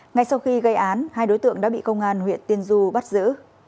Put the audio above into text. ngay sau khi gây án hai đối tượng đã bị công an huyện tiên du bắt giữ